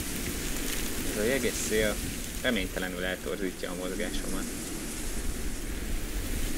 Ez a jeges szél, reménytelenül eltorzítja a mozgásomat.